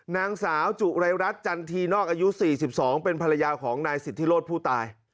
นางสาวจุไรรัฐจันทีนอกอายุ๔๒เป็นภรรยาของนายสิทธิโรธผู้ตาย